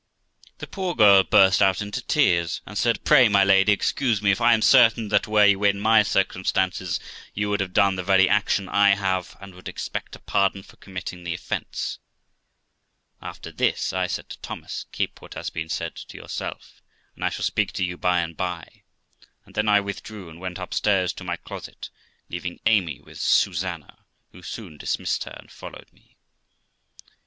The poor girl burst out into tears, and said 'Pray, my lady, excuse me, for I am certain that were you in my circumstances, you would have done the very action I have, and would expect a pardon for committing the offence.' After this, I said to Thomas, ' Keep what has been said to yourself, and I shall speak to you by and by'; and then I withdrew, and went upstairs to my closet, leaving Amy with Susanna, who soon dismissed her, and followed me.